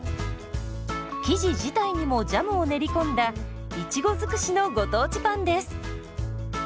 生地自体にもジャムを練り込んだいちご尽くしのご当地パンです。